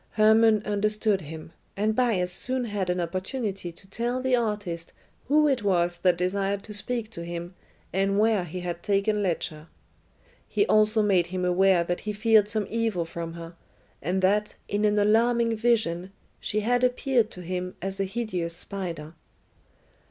Hermon understood him, and Bias soon had an opportunity to tell the artist who it was that desired to speak to him and where he had taken Ledscha. He also made him aware that he feared some evil from her, and that, in an alarming vision, she had appeared to him as a hideous spider.